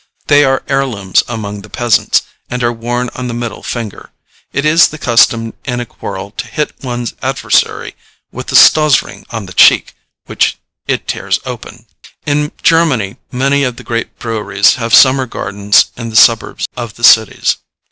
They are heirlooms among the peasants, and are worn on the middle finger. It is the custom in a quarrel to hit one's adversary with the Stozzring on the cheek, which it tears open. In Germany many of the great breweries have summer gardens in the suburbs of the cities.